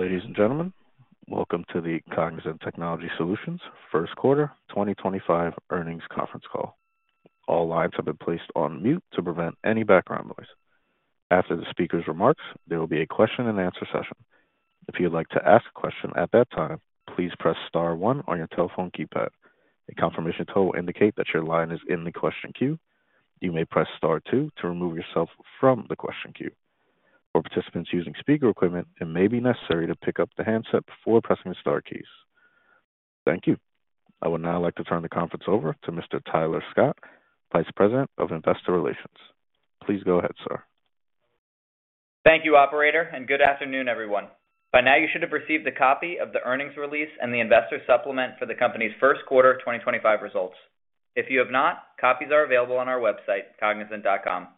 Ladies and gentlemen, welcome to the Cognizant Technology Solutions First Quarter 2025 Earnings Conference Call. All lines have been placed on mute to prevent any background noise. After the speaker's remarks, there will be a question-and-answer session. If you'd like to ask a question at that time, please press star one on your telephone keypad. A confirmation tool will indicate that your line is in the question queue. You may press star two to remove yourself from the question queue. For participants using speaker equipment, it may be necessary to pick up the handset before pressing the star keys. Thank you. I would now like to turn the conference over to Mr. Tyler Scott, Vice President of Investor Relations. Please go ahead, sir. Thank you, Operator, and good afternoon, everyone. By now, you should have received a copy of the earnings release and the investor supplement for the company's first quarter 2025 results. If you have not, copies are available on our website, cognizant.com.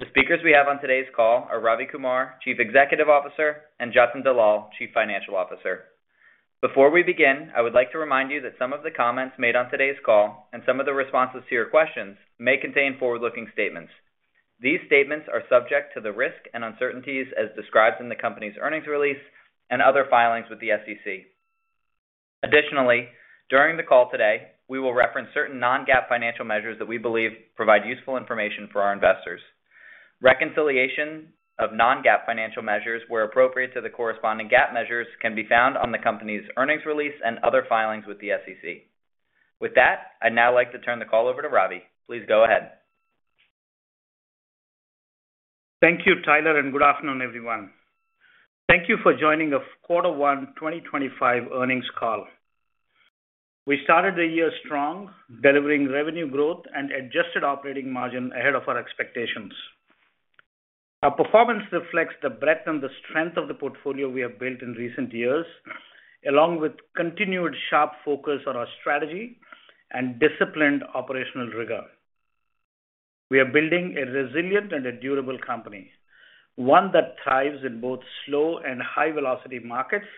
The speakers we have on today's call are Ravi Kumar, Chief Executive Officer, and Jatin Dalal, Chief Financial Officer. Before we begin, I would like to remind you that some of the comments made on today's call and some of the responses to your questions may contain forward-looking statements. These statements are subject to the risk and uncertainties as described in the company's earnings release and other filings with the SEC. Additionally, during the call today, we will reference certain non-GAAP financial measures that we believe provide useful information for our investors. Reconciliation of non-GAAP financial measures where appropriate to the corresponding GAAP measures can be found on the company's earnings release and other filings with the SEC. With that, I'd now like to turn the call over to Ravi. Please go ahead. Thank you, Tyler, and good afternoon, everyone. Thank you for joining the Quarter One 2025 earnings call. We started the year strong, delivering revenue growth and adjusted operating margin ahead of our expectations. Our performance reflects the breadth and the strength of the portfolio we have built in recent years, along with continued sharp focus on our strategy and disciplined operational rigor. We are building a resilient and durable company, one that thrives in both slow and high-velocity markets,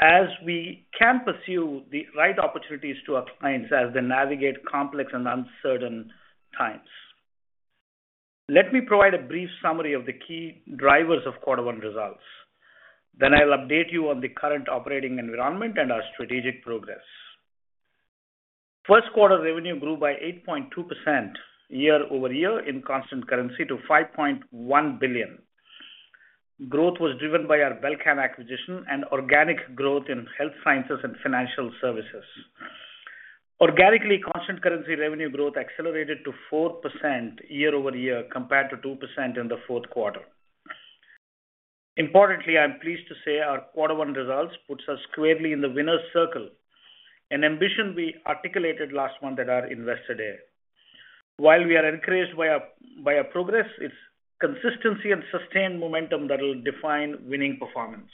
as we can pursue the right opportunities to our clients as they navigate complex and uncertain times. Let me provide a brief summary of the key drivers of Quarter One results. I will update you on the current operating environment and our strategic progress. First quarter revenue grew by 8.2% year over year in constant currency to $5.1 billion. Growth was driven by our Belcan acquisition and organic growth in health sciences and financial services. Organically, constant currency revenue growth accelerated to 4% year over year compared to 2% in the fourth quarter. Importantly, I'm pleased to say our Quarter One results put us squarely in the winner's circle, an ambition we articulated last month at our Investor Day. While we are encouraged by our progress, it's consistency and sustained momentum that will define winning performance.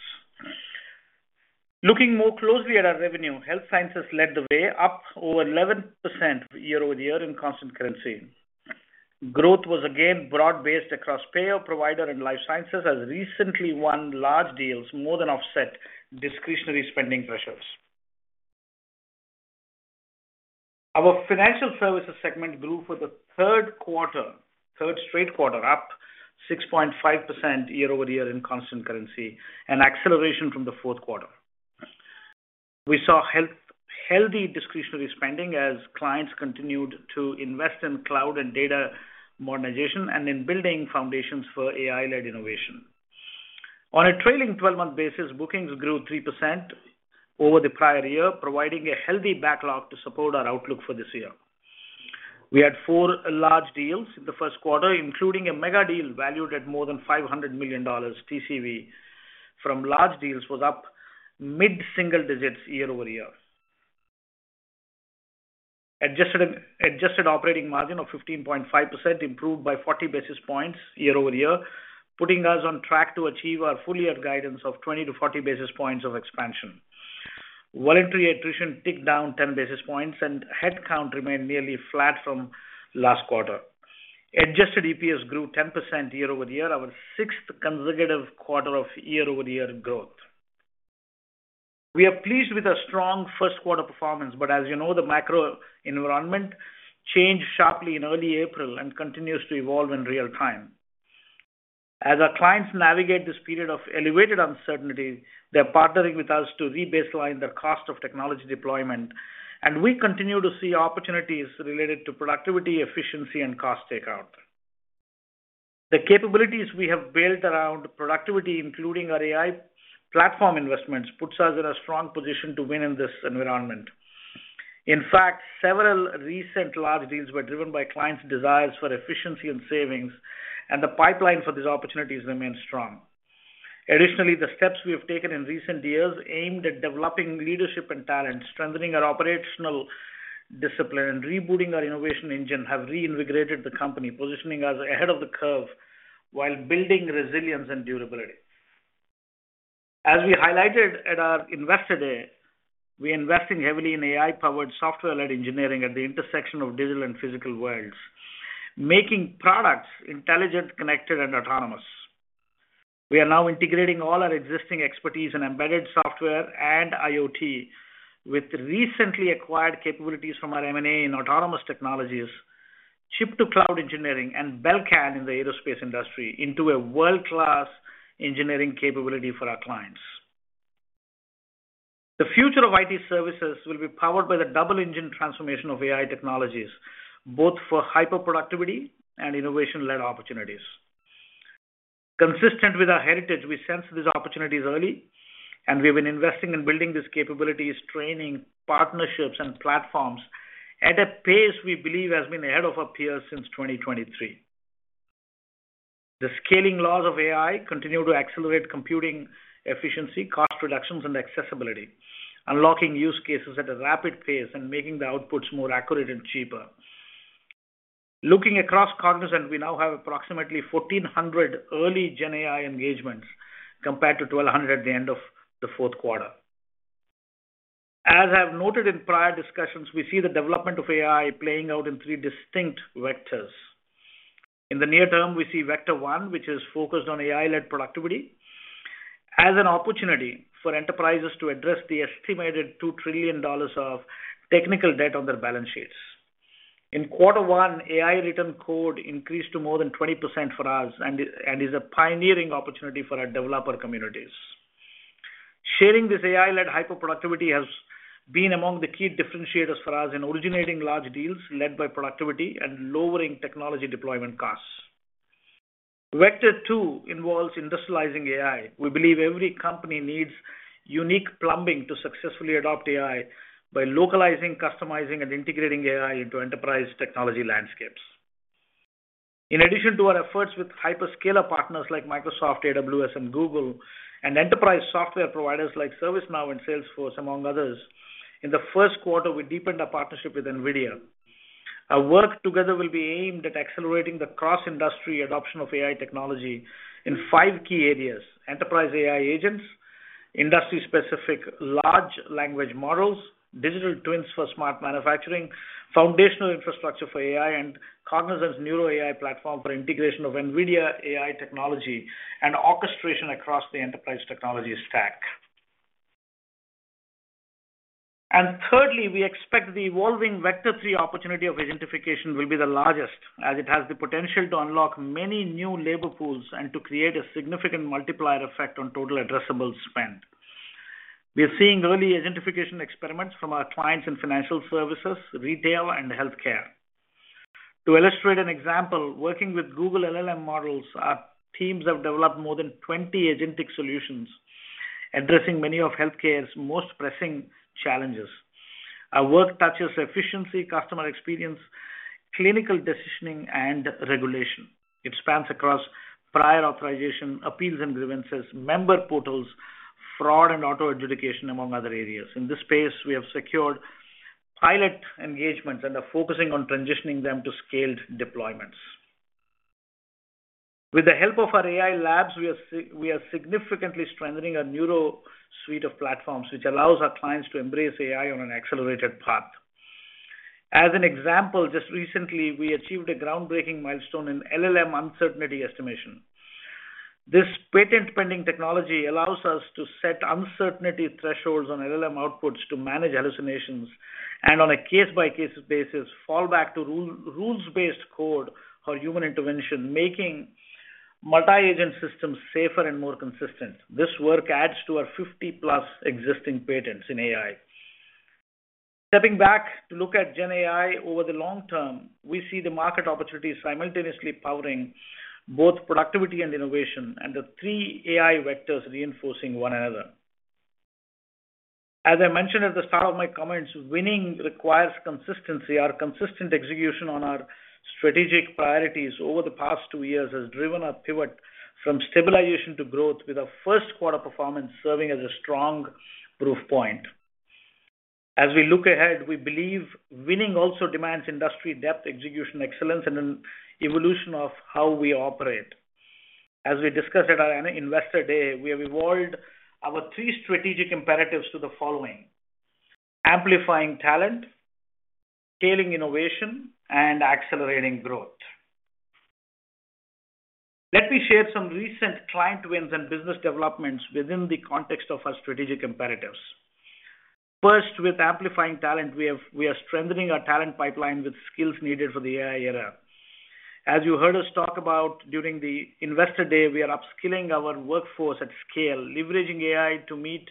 Looking more closely at our revenue, health sciences led the way up over 11% year over year in constant currency. Growth was again broad-based across payer, provider, and life sciences as recently won large deals more than offset discretionary spending pressures. Our financial services segment grew for the third straight quarter, up 6.5% year over year in constant currency and acceleration from the fourth quarter. We saw healthy discretionary spending as clients continued to invest in cloud and data modernization and in building foundations for AI-led innovation. On a trailing 12-month basis, bookings grew 3% over the prior year, providing a healthy backlog to support our outlook for this year. We had four large deals in the first quarter, including a mega deal valued at more than $500 million. TCV from large deals was up mid-single digits year over year. Adjusted operating margin of 15.5% improved by 40 basis points year over year, putting us on track to achieve our full-year guidance of 20-40 basis points of expansion. Voluntary attrition ticked down 10 basis points, and headcount remained nearly flat from last quarter. Adjusted EPS grew 10% year over year, our sixth consecutive quarter of year-over-year growth. We are pleased with our strong first-quarter performance, but as you know, the macro environment changed sharply in early April and continues to evolve in real time. As our clients navigate this period of elevated uncertainty, they're partnering with us to re-baseline their cost of technology deployment, and we continue to see opportunities related to productivity, efficiency, and cost takeout. The capabilities we have built around productivity, including our AI platform investments, put us in a strong position to win in this environment. In fact, several recent large deals were driven by clients' desires for efficiency and savings, and the pipeline for these opportunities remains strong. Additionally, the steps we have taken in recent years aimed at developing leadership and talent, strengthening our operational discipline, and rebooting our innovation engine have reinvigorated the company, positioning us ahead of the curve while building resilience and durability. As we highlighted at our Investor Day, we are investing heavily in AI-powered software-led engineering at the intersection of digital and physical worlds, making products intelligent, connected, and autonomous. We are now integrating all our existing expertise in embedded software and IoT with recently acquired capabilities from our M&A in autonomous technologies, chip-to-cloud engineering, and Belcan in the aerospace industry into a world-class engineering capability for our clients. The future of IT services will be powered by the double-engine transformation of AI technologies, both for hyper-productivity and innovation-led opportunities. Consistent with our heritage, we sensed these opportunities early, and we've been investing in building these capabilities, training partnerships, and platforms at a pace we believe has been ahead of our peers since 2023. The scaling laws of AI continue to accelerate computing efficiency, cost reductions, and accessibility, unlocking use cases at a rapid pace and making the outputs more accurate and cheaper. Looking across Cognizant, we now have approximately 1,400 early Gen AI engagements compared to 1,200 at the end of the fourth quarter. As I've noted in prior discussions, we see the development of AI playing out in three distinct vectors. In the near term, we see Vector 1, which is focused on AI-led productivity as an opportunity for enterprises to address the estimated $2 trillion of technical debt on their balance sheets. In quarter one, AI-ridden code increased to more than 20% for us and is a pioneering opportunity for our developer communities. Sharing this AI-led hyper-productivity has been among the key differentiators for us in originating large deals led by productivity and lowering technology deployment costs. Vector 2 involves industrializing AI. We believe every company needs unique plumbing to successfully adopt AI by localizing, customizing, and integrating AI into enterprise technology landscapes. In addition to our efforts with hyperscaler partners like Microsoft, AWS, and Google, and enterprise software providers like ServiceNow and Salesforce, among others, in the first quarter, we deepened our partnership with NVIDIA. Our work together will be aimed at accelerating the cross-industry adoption of AI technology in five key areas: enterprise AI agents, industry-specific large language models, digital twins for smart manufacturing, foundational infrastructure for AI, and Cognizant's NeuroAI platform for integration of NVIDIA AI technology and orchestration across the enterprise technology stack. Thirdly, we expect the evolving Vector 3 opportunity of identification will be the largest, as it has the potential to unlock many new labor pools and to create a significant multiplier effect on total addressable spend. We are seeing early identification experiments from our clients in financial services, retail, and healthcare. To illustrate an example, working with Google LLM models, our teams have developed more than 20 agentic solutions addressing many of healthcare's most pressing challenges. Our work touches efficiency, customer experience, clinical decisioning, and regulation. It spans across prior authorization, appeals and grievances, member portals, fraud, and auto adjudication, among other areas. In this space, we have secured pilot engagements and are focusing on transitioning them to scaled deployments. With the help of our AI labs, we are significantly strengthening our Neuro suite of platforms, which allows our clients to embrace AI on an accelerated path. As an example, just recently, we achieved a groundbreaking milestone in LLM uncertainty estimation. This patent-pending technology allows us to set uncertainty thresholds on LLM outputs to manage hallucinations and, on a case-by-case basis, fallback to rules-based code for human intervention, making multi-agent systems safer and more consistent. This work adds to our 50+ existing patents in AI. Stepping back to look at Gen AI over the long term, we see the market opportunities simultaneously powering both productivity and innovation, and the three AI vectors reinforcing one another. As I mentioned at the start of my comments, winning requires consistency. Our consistent execution on our strategic priorities over the past two years has driven our pivot from stabilization to growth, with our first quarter performance serving as a strong proof point. As we look ahead, we believe winning also demands industry-depth execution, excellence, and an evolution of how we operate. As we discussed at our Investor Day, we have evolved our three strategic imperatives to the following: amplifying talent, scaling innovation, and accelerating growth. Let me share some recent client wins and business developments within the context of our strategic imperatives. First, with amplifying talent, we are strengthening our talent pipeline with skills needed for the AI era. As you heard us talk about during the Investor Day, we are upskilling our workforce at scale, leveraging AI to meet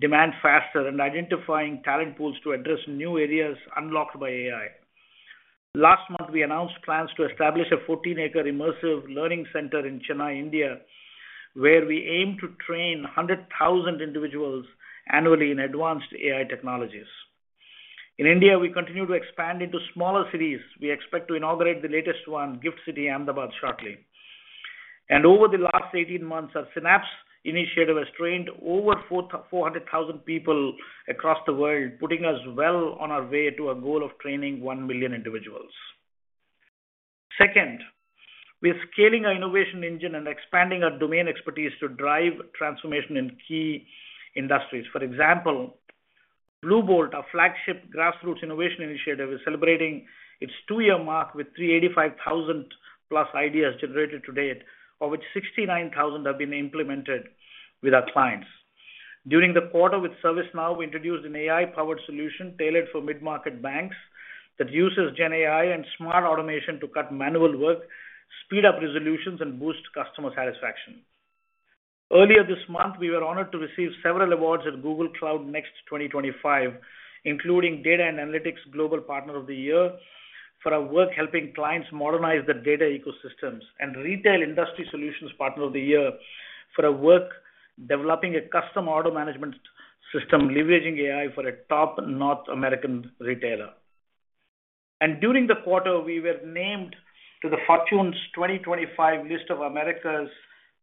demand faster, and identifying talent pools to address new areas unlocked by AI. Last month, we announced plans to establish a 14-acre immersive learning center in Chennai, India, where we aim to train 100,000 individuals annually in advanced AI technologies. In India, we continue to expand into smaller cities. We expect to inaugurate the latest one, Gift City, Ahmedabad, shortly. Over the last 18 months, our Synapse initiative has trained over 400,000 people across the world, putting us well on our way to our goal of training 1 million individuals. Second, we are scaling our innovation engine and expanding our domain expertise to drive transformation in key industries. For example, Bluebolt, our flagship grassroots innovation initiative, is celebrating its two-year mark with 385,000+ ideas generated to date, of which 69,000 have been implemented with our clients. During the quarter with ServiceNow, we introduced an AI-powered solution tailored for mid-market banks that uses Gen AI and smart automation to cut manual work, speed up resolutions, and boost customer satisfaction. Earlier this month, we were honored to receive several awards at Google Cloud Next 2025, including Data and Analytics Global Partner of the Year for our work helping clients modernize their data ecosystems, and Retail Industry Solutions Partner of the Year for our work developing a custom auto management system leveraging AI for a top North American retailer. During the quarter, we were named to the Fortune 2025 list of America's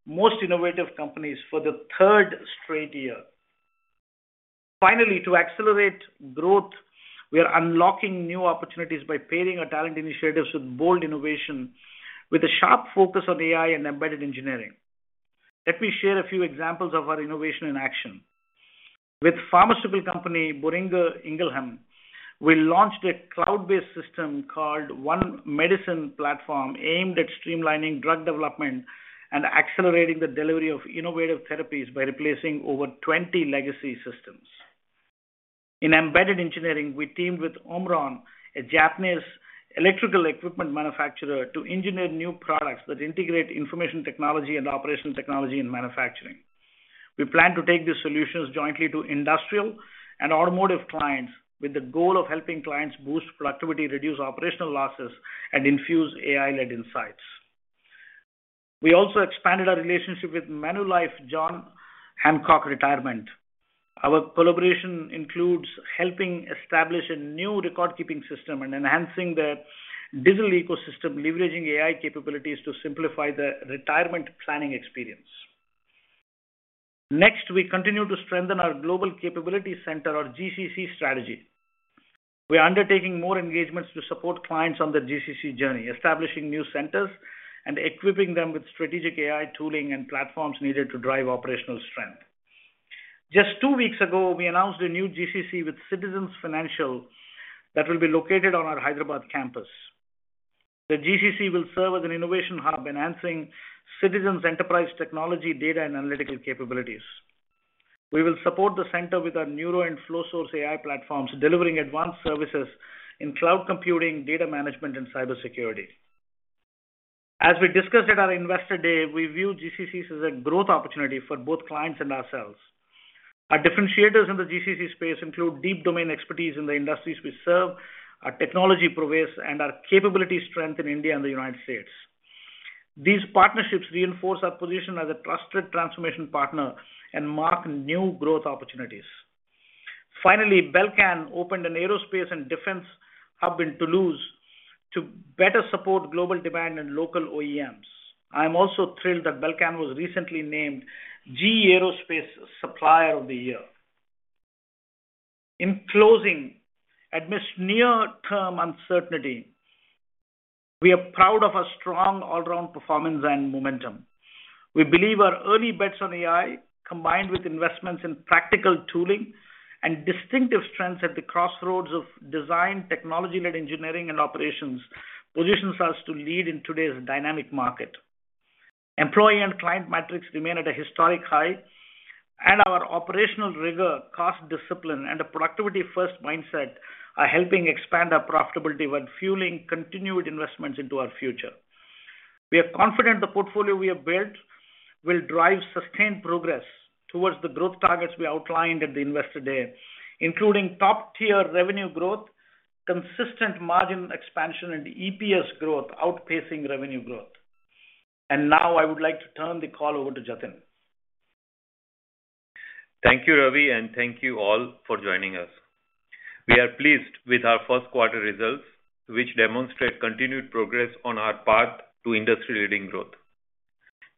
most innovative companies for the third straight year. Finally, to accelerate growth, we are unlocking new opportunities by pairing our talent initiatives with bold innovation, with a sharp focus on AI and embedded engineering. Let me share a few examples of our innovation in action. With pharmaceutical company Boehringer Ingelheim, we launched a cloud-based system called One Medicine Platform aimed at streamlining drug development and accelerating the delivery of innovative therapies by replacing over 20 legacy systems. In embedded engineering, we teamed with Omron, a Japanese electrical equipment manufacturer, to engineer new products that integrate information technology and operational technology in manufacturing. We plan to take these solutions jointly to industrial and automotive clients with the goal of helping clients boost productivity, reduce operational losses, and infuse AI-led insights. We also expanded our relationship with Manulife John Hancock Retirement. Our collaboration includes helping establish a new record-keeping system and enhancing the digital ecosystem, leveraging AI capabilities to simplify the retirement planning experience. Next, we continue to strengthen our Global Capability Center, or GCC, strategy. We are undertaking more engagements to support clients on their GCC journey, establishing new centers and equipping them with strategic AI tooling and platforms needed to drive operational strength. Just two weeks ago, we announced a new GCC with Citizens Financial that will be located on our Hyderabad campus. The GCC will serve as an innovation hub enhancing Citizens Financial's enterprise technology, data, and analytical capabilities. We will support the center with our Neuro and Flowsource AI platforms, delivering advanced services in cloud computing, data management, and cybersecurity. As we discussed at our Investor Day, we view GCCs as a growth opportunity for both clients and ourselves. Our differentiators in the GCC space include deep domain expertise in the industries we serve, our technology provision, and our capability strength in India and the United States. These partnerships reinforce our position as a trusted transformation partner and mark new growth opportunities. Finally, Belcan opened an aerospace and defense hub in Toulouse to better support global demand and local OEMs. I am also thrilled that Belcan was recently named GE Aerospace Supplier of the Year. In closing, amidst near-term uncertainty, we are proud of our strong all-round performance and momentum. We believe our early bets on AI, combined with investments in practical tooling and distinctive strengths at the crossroads of design, technology-led engineering, and operations, positions us to lead in today's dynamic market. Employee and client metrics remain at a historic high, and our operational rigor, cost discipline, and a productivity-first mindset are helping expand our profitability while fueling continued investments into our future. We are confident the portfolio we have built will drive sustained progress towards the growth targets we outlined at the Investor Day, including top-tier revenue growth, consistent margin expansion, and EPS growth outpacing revenue growth. I would like to turn the call over to Jatin. Thank you, Ravi, and thank you all for joining us. We are pleased with our first quarter results, which demonstrate continued progress on our path to industry-leading growth.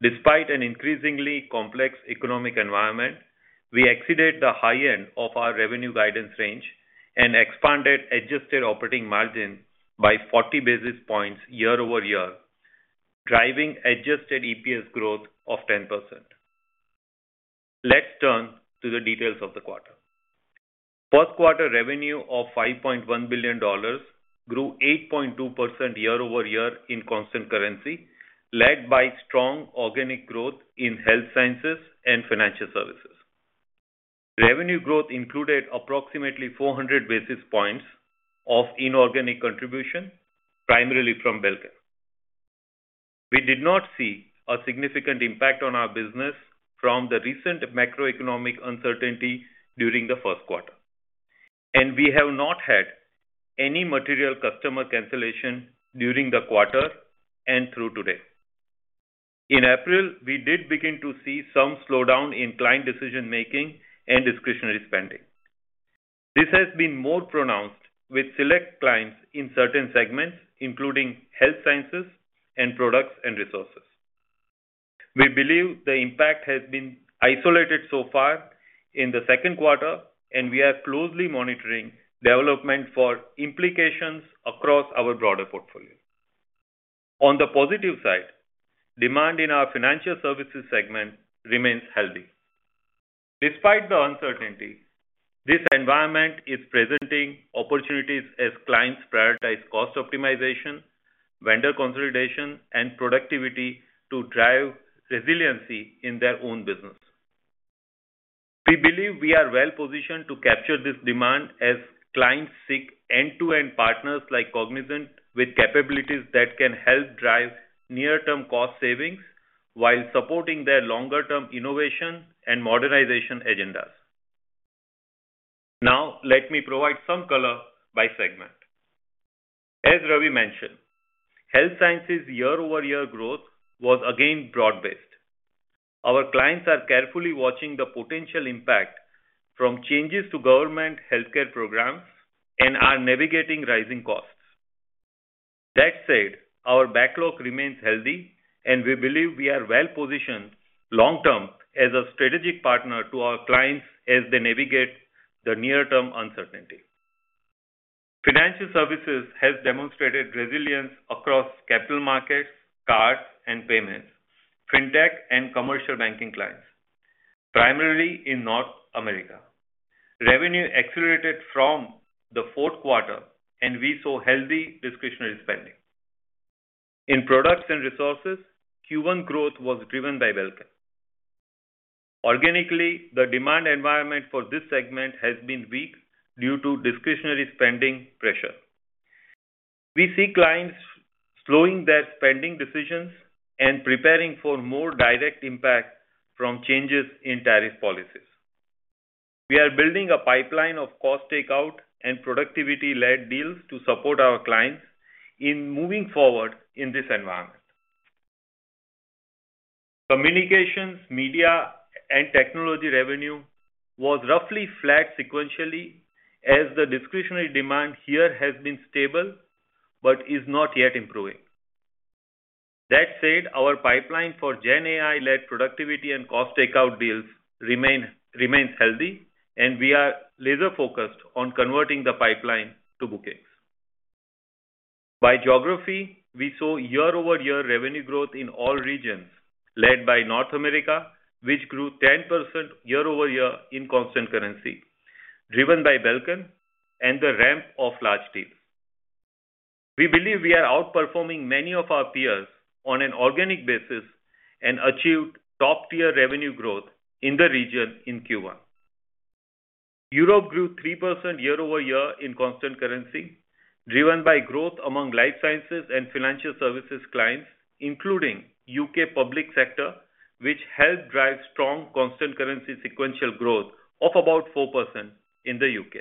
Despite an increasingly complex economic environment, we exceeded the high end of our revenue guidance range and expanded adjusted operating margin by 40 basis points year over year, driving adjusted EPS growth of 10%. Let's turn to the details of the quarter. First quarter revenue of $5.1 billion grew 8.2% year over year in constant currency, led by strong organic growth in health sciences and financial services. Revenue growth included approximately 400 basis points of inorganic contribution, primarily from Belcan. We did not see a significant impact on our business from the recent macroeconomic uncertainty during the first quarter, and we have not had any material customer cancellation during the quarter and through today. In April, we did begin to see some slowdown in client decision-making and discretionary spending. This has been more pronounced with select clients in certain segments, including health sciences and products and resources. We believe the impact has been isolated so far in the second quarter, and we are closely monitoring development for implications across our broader portfolio. On the positive side, demand in our financial services segment remains healthy. Despite the uncertainty, this environment is presenting opportunities as clients prioritize cost optimization, vendor consolidation, and productivity to drive resiliency in their own business. We believe we are well-positioned to capture this demand as clients seek end-to-end partners like Cognizant with capabilities that can help drive near-term cost savings while supporting their longer-term innovation and modernization agendas. Now, let me provide some color by segment. As Ravi mentioned, health sciences' year-over-year growth was again broad-based. Our clients are carefully watching the potential impact from changes to government healthcare programs and are navigating rising costs. That said, our backlog remains healthy, and we believe we are well-positioned long-term as a strategic partner to our clients as they navigate the near-term uncertainty. Financial services has demonstrated resilience across capital markets, cards, and payments, fintech, and commercial banking clients, primarily in North America. Revenue accelerated from the fourth quarter, and we saw healthy discretionary spending. In products and resources, Q1 growth was driven by Belcan. Organically, the demand environment for this segment has been weak due to discretionary spending pressure. We see clients slowing their spending decisions and preparing for more direct impact from changes in tariff policies. We are building a pipeline of cost takeout and productivity-led deals to support our clients in moving forward in this environment. Communications, media, and technology revenue was roughly flat sequentially as the discretionary demand here has been stable but is not yet improving. That said, our pipeline for Gen AI-led productivity and cost takeout deals remains healthy, and we are laser-focused on converting the pipeline to bookings. By geography, we saw year-over-year revenue growth in all regions, led by North America, which grew 10% year over year in constant currency, driven by Belcan and the ramp of large deals. We believe we are outperforming many of our peers on an organic basis and achieved top-tier revenue growth in the region in Q1. Europe grew 3% year over year in constant currency, driven by growth among life sciences and financial services clients, including U.K. public sector, which helped drive strong constant currency sequential growth of about 4% in the U.K.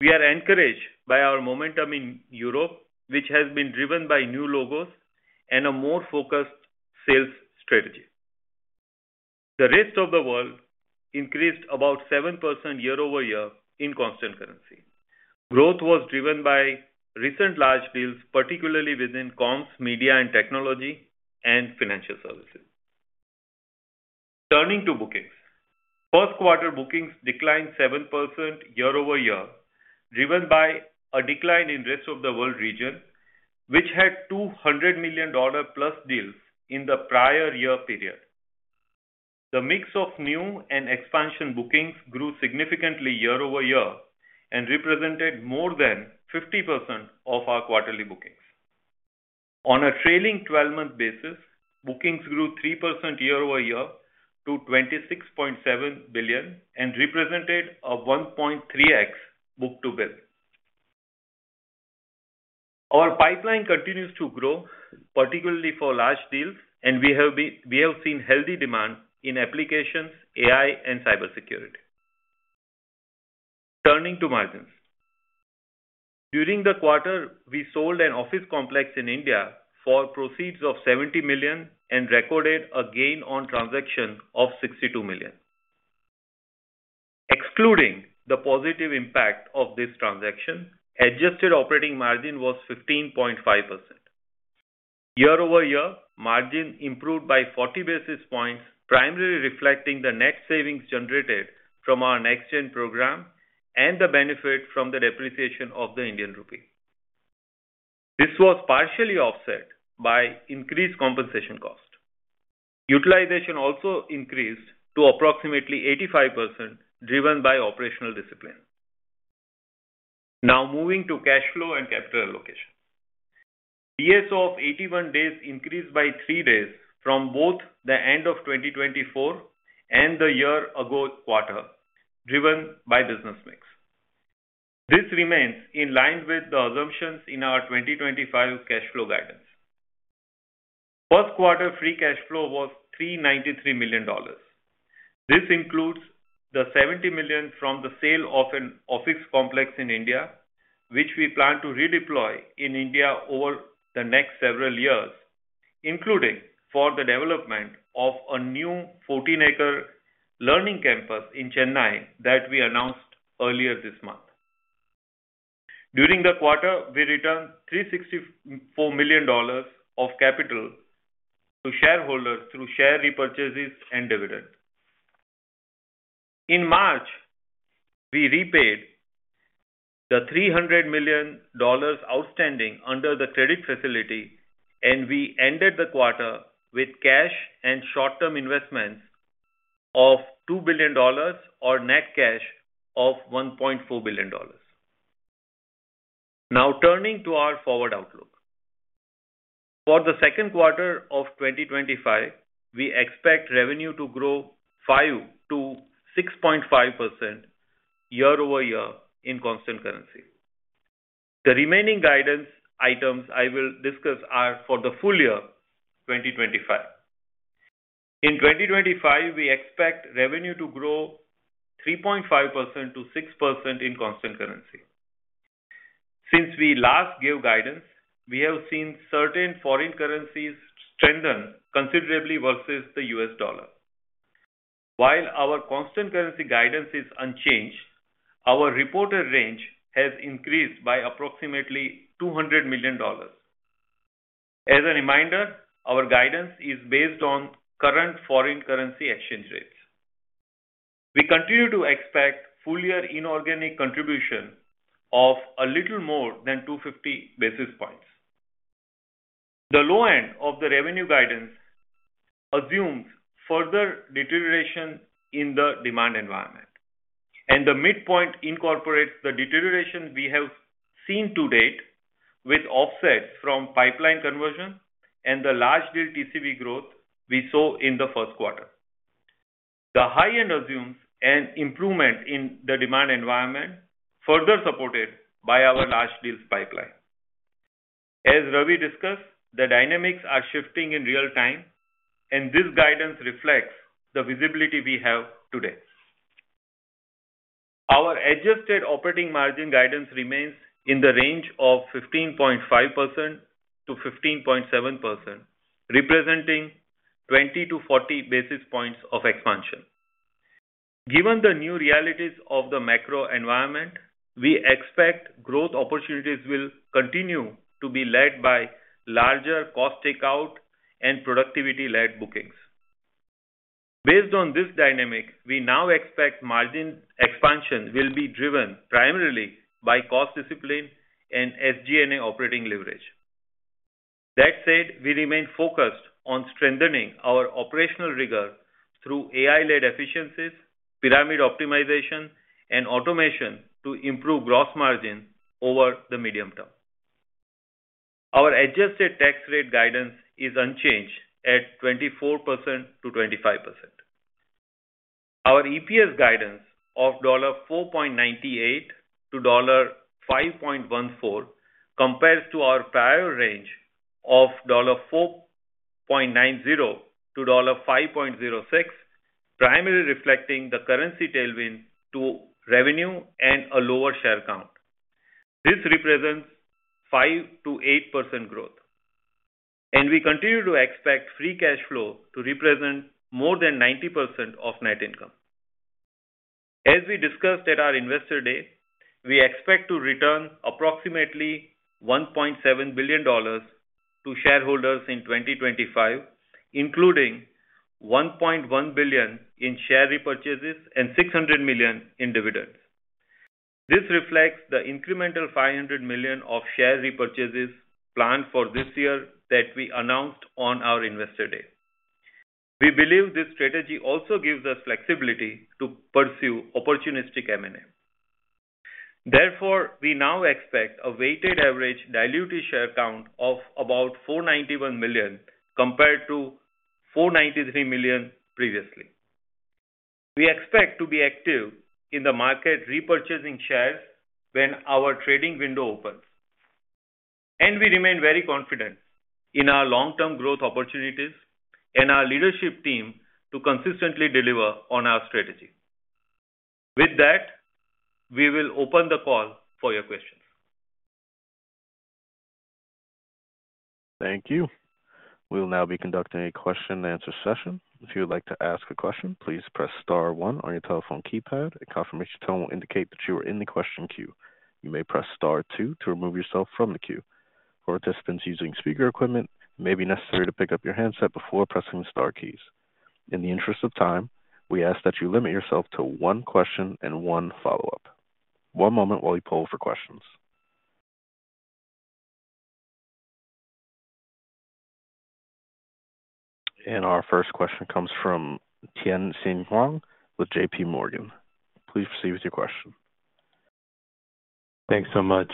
We are encouraged by our momentum in Europe, which has been driven by new logos and a more focused sales strategy. The rest of the world increased about 7% year over year in constant currency. Growth was driven by recent large deals, particularly within comms, media, and technology, and financial services. Turning to bookings, first quarter bookings declined 7% year over year, driven by a decline in the rest of the world region, which had $200 million+ deals in the prior year period. The mix of new and expansion bookings grew significantly year over year and represented more than 50% of our quarterly bookings. On a trailing 12-month basis, bookings grew 3% year over year to $26.7 billion and represented a 1.3x book-to-bill. Our pipeline continues to grow, particularly for large deals, and we have seen healthy demand in applications, AI, and cybersecurity. Turning to margins, during the quarter, we sold an office complex in India for proceeds of $70 million and recorded a gain on transaction of $62 million. Excluding the positive impact of this transaction, adjusted operating margin was 15.5%. Year over year, margin improved by 40 basis points, primarily reflecting the net savings generated from our next-gen program and the benefit from the depreciation of the Indian rupee. This was partially offset by increased compensation cost. Utilization also increased to approximately 85%, driven by operational discipline. Now, moving to cash flow and capital allocation, PSO of 81 days increased by 3 days from both the end of 2024 and the year-ago quarter, driven by business mix. This remains in line with the assumptions in our 2025 cash flow guidance. First quarter free cash flow was $393 million. This includes the $70 million from the sale of an office complex in India, which we plan to redeploy in India over the next several years, including for the development of a new 14-acre learning campus in Chennai that we announced earlier this month. During the quarter, we returned $364 million of capital to shareholders through share repurchases and dividends. In March, we repaid the $300 million outstanding under the credit facility, and we ended the quarter with cash and short-term investments of $2 billion, or net cash of $1.4 billion. Now, turning to our forward outlook, for the second quarter of 2025, we expect revenue to grow 5%-6.5% year over year in constant currency. The remaining guidance items I will discuss are for the full year 2025. In 2025, we expect revenue to grow 3.5%-6% in constant currency. Since we last gave guidance, we have seen certain foreign currencies strengthen considerably versus the U.S. dollar. While our constant currency guidance is unchanged, our reported range has increased by approximately $200 million. As a reminder, our guidance is based on current foreign currency exchange rates. We continue to expect full-year inorganic contribution of a little more than 250 basis points. The low end of the revenue guidance assumes further deterioration in the demand environment, and the midpoint incorporates the deterioration we have seen to date with offsets from pipeline conversion and the large deal TCV growth we saw in the first quarter. The high end assumes an improvement in the demand environment, further supported by our large deals pipeline. As Ravi discussed, the dynamics are shifting in real time, and this guidance reflects the visibility we have today. Our adjusted operating margin guidance remains in the range of 15.5%-15.7%, representing 20-40 basis points of expansion. Given the new realities of the macro environment, we expect growth opportunities will continue to be led by larger cost takeout and productivity-led bookings. Based on this dynamic, we now expect margin expansion will be driven primarily by cost discipline and SG&A operating leverage. That said, we remain focused on strengthening our operational rigor through AI-led efficiencies, pyramid optimization, and automation to improve gross margin over the medium term. Our adjusted tax rate guidance is unchanged at 24%-25%. Our EPS guidance of $4.98-$5.14 compares to our prior range of $4.90-$5.06, primarily reflecting the currency tailwind to revenue and a lower share count. This represents 5%-8% growth, and we continue to expect free cash flow to represent more than 90% of net income. As we discussed at our investor day, we expect to return approximately $1.7 billion to shareholders in 2025, including $1.1 billion in share repurchases and $600 million in dividends. This reflects the incremental $500 million of share repurchases planned for this year that we announced on our investor day. We believe this strategy also gives us flexibility to pursue opportunistic M&A. Therefore, we now expect a weighted average diluted share count of about 491 million compared to 493 million previously. We expect to be active in the market repurchasing shares when our trading window opens, and we remain very confident in our long-term growth opportunities and our leadership team to consistently deliver on our strategy. With that, we will open the call for your questions. Thank you. We'll now be conducting a question-and-answer session. If you would like to ask a question, please press star one on your telephone keypad. A confirmation tone will indicate that you are in the question queue. You may press star two to remove yourself from the queue. For participants using speaker equipment, it may be necessary to pick up your handset before pressing the star keys. In the interest of time, we ask that you limit yourself to one question and one follow-up. One moment while we poll for questions. Our first question comes from Tien-Tsin Huang with JP Morgan. Please proceed with your question. Thanks so much.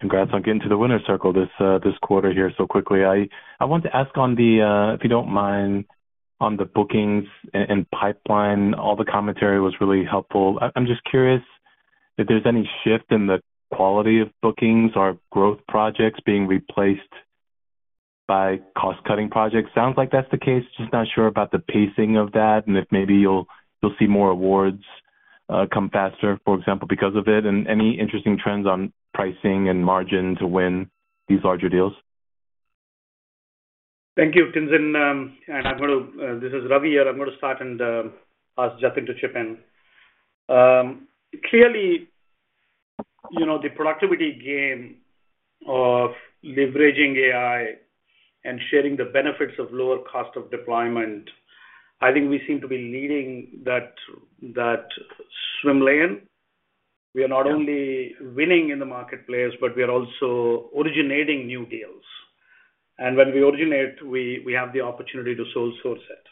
Congrats on getting to the winner's circle this quarter here so quickly. I want to ask on the, if you don't mind, on the bookings and pipeline. All the commentary was really helpful. I'm just curious if there's any shift in the quality of bookings or growth projects being replaced by cost-cutting projects. Sounds like that's the case. Just not sure about the pacing of that and if maybe you'll see more awards come faster, for example, because of it. Any interesting trends on pricing and margin to win these larger deals? Thank you, Tien-Tsin. This is Ravi here. I'm going to start and pass just into Chipman. Clearly, the productivity game of leveraging AI and sharing the benefits of lower cost of deployment, I think we seem to be leading that swim lane. We are not only winning in the marketplace, but we are also originating new deals. When we originate, we have the opportunity to sole-source it.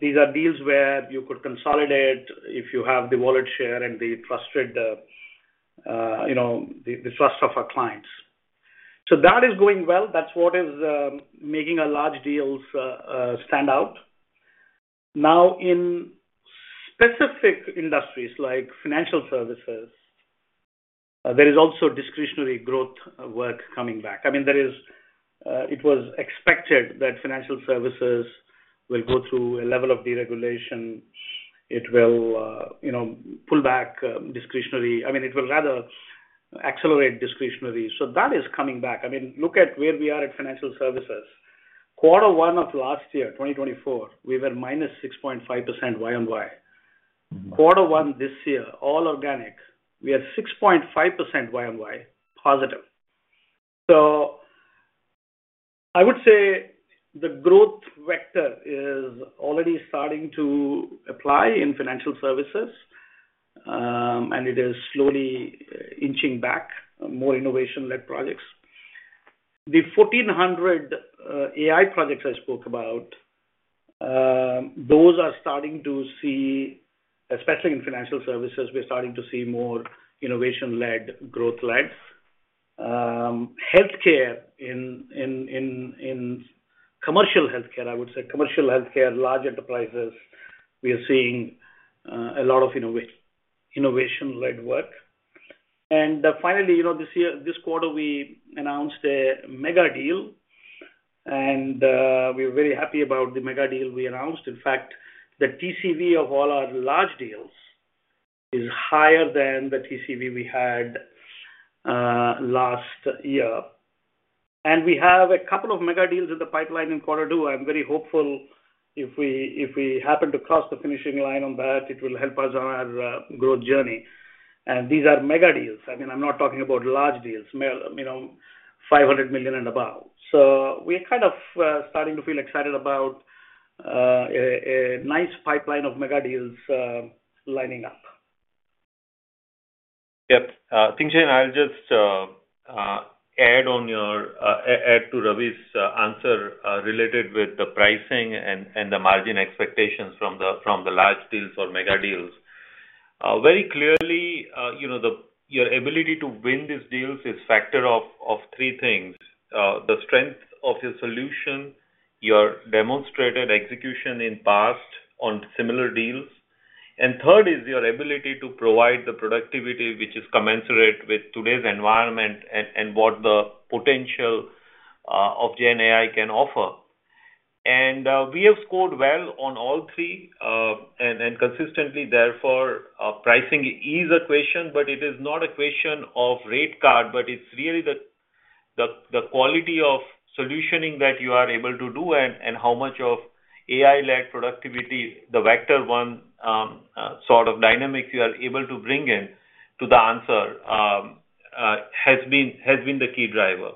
These are deals where you could consolidate if you have the wallet share and the trust of our clients. That is going well. That's what is making large deals stand out. Now, in specific industries like financial services, there is also discretionary growth work coming back. I mean, it was expected that financial services will go through a level of deregulation. It will pull back discretionary. I mean, it will rather accelerate discretionary. That is coming back. I mean, look at where we are at financial services. Quarter one of last year, 2024, we were -6.5% YoY. Quarter one this year, all organic, we are 6.5% YoY positive. I would say the growth vector is already starting to apply in financial services, and it is slowly inching back, more innovation-led projects. The 1,400 AI projects I spoke about, those are starting to see, especially in financial services, we're starting to see more innovation-led growth legs. Healthcare in commercial healthcare, I would say, commercial healthcare, large enterprises, we are seeing a lot of innovation-led work. Finally, this quarter, we announced a mega deal, and we are very happy about the mega deal we announced. In fact, the TCV of all our large deals is higher than the TCV we had last year. We have a couple of mega deals in the pipeline in quarter two. I'm very hopeful if we happen to cross the finishing line on that, it will help us on our growth journey. These are mega deals. I mean, I'm not talking about large deals, $500 million and above. We're kind of starting to feel excited about a nice pipeline of mega deals lining up. Yep. Tien-Tsin, I'll just add to Ravi's answer related with the pricing and the margin expectations from the large deals or mega deals. Very clearly, your ability to win these deals is a factor of three things: the strength of your solution, your demonstrated execution in the past on similar deals, and third is your ability to provide the productivity, which is commensurate with today's environment and what the potential of GenAI can offer. We have scored well on all three, and consistently, therefore, pricing is a question, but it is not a question of rate card, but it's really the quality of solutioning that you are able to do and how much of AI-led productivity, the vector 1 sort of dynamics you are able to bring in to the answer has been the key driver.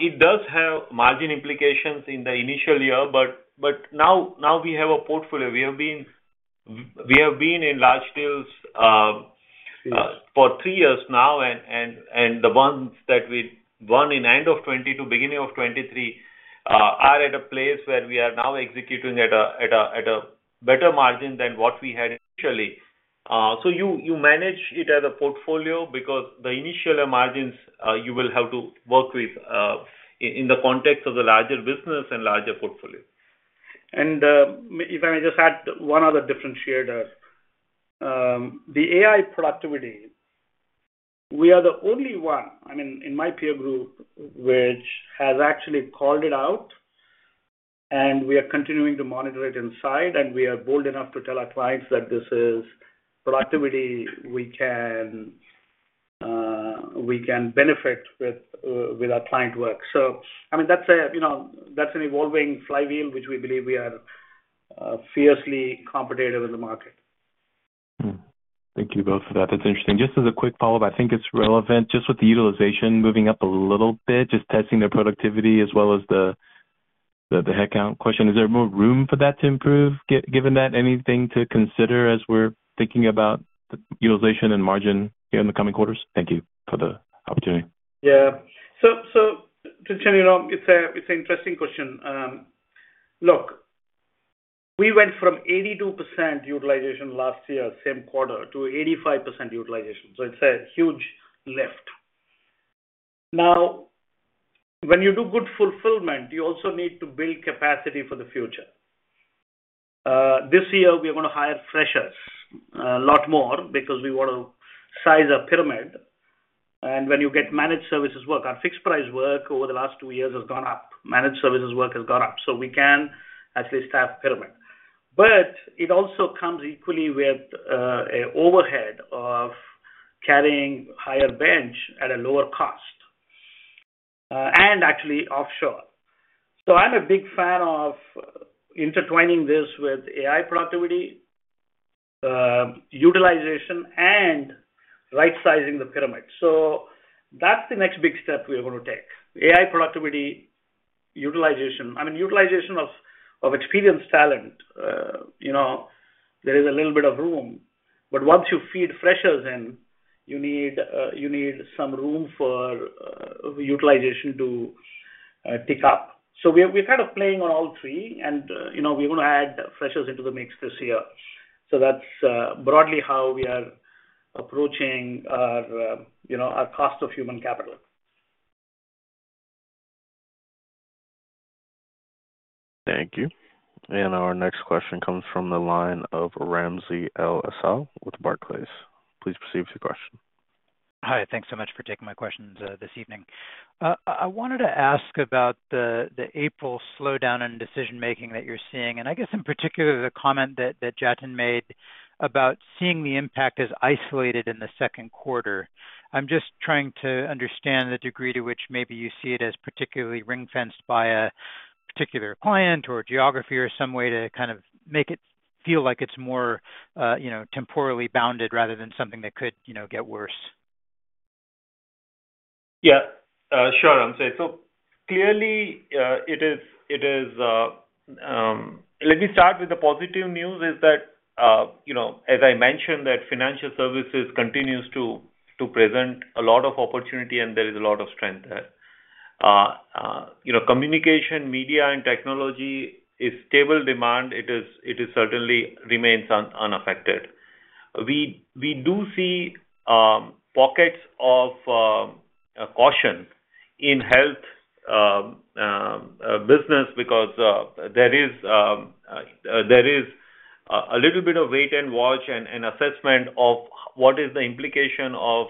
It does have margin implications in the initial year, but now we have a portfolio. We have been in large deals for three years now, and the ones that we won in the end of 2022, beginning of 2023, are at a place where we are now executing at a better margin than what we had initially. You manage it as a portfolio because the initial margins you will have to work with in the context of the larger business and larger portfolio. If I may just add one other differentiator. The AI productivity, we are the only one, I mean, in my peer group, which has actually called it out, and we are continuing to monitor it inside, and we are bold enough to tell our clients that this is productivity we can benefit with our client work. I mean, that's an evolving flywheel, which we believe we are fiercely competitive in the market. Thank you both for that. That's interesting. Just as a quick follow-up, I think it's relevant just with the utilization moving up a little bit, just testing their productivity as well as the headcount question. Is there more room for that to improve? Given that, anything to consider as we're thinking about the utilization and margin here in the coming quarters? Thank you for the opportunity. Yeah. To turn it around, it's an interesting question. Look, we went from 82% utilization last year, same quarter, to 85% utilization. It's a huge lift. Now, when you do good fulfillment, you also need to build capacity for the future. This year, we are going to hire freshers a lot more because we want to size our pyramid. When you get managed services work, our fixed-price work over the last two years has gone up. Managed services work has gone up. We can actually staff pyramid. It also comes equally with an overhead of carrying higher bench at a lower cost and actually offshore. I'm a big fan of intertwining this with AI productivity, utilization, and right-sizing the pyramid. That's the next big step we are going to take. AI productivity, utilization, I mean, utilization of experienced talent. There is a little bit of room, but once you feed freshers in, you need some room for utilization to tick up. We're kind of playing on all three, and we're going to add freshers into the mix this year. That's broadly how we are approaching our cost of human capital. Thank you. Our next question comes from the line of Ramsey El-Assal with Barclays. Please proceed with your question. Hi. Thanks so much for taking my questions this evening. I wanted to ask about the April slowdown in decision-making that you're seeing, and I guess in particular the comment that Jatin made about seeing the impact as isolated in the second quarter. I'm just trying to understand the degree to which maybe you see it as particularly ring-fenced by a particular client or geography or some way to kind of make it feel like it's more temporally bounded rather than something that could get worse. Yeah. Sure. I'm sorry. Clearly, let me start with the positive news, as I mentioned, that financial services continues to present a lot of opportunity, and there is a lot of strength there. Communication, media, and technology is stable demand. It certainly remains unaffected. We do see pockets of caution in health business because there is a little bit of wait and watch and assessment of what is the implication of